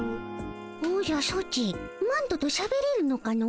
おじゃソチマントとしゃべれるのかの？